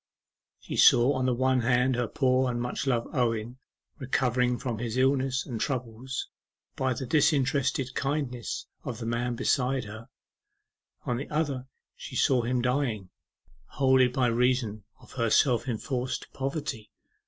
She saw on the one hand her poor and much loved Owen recovering from his illness and troubles by the disinterested kindness of the man beside her, on the other she drew him dying, wholly by reason of her self enforced poverty.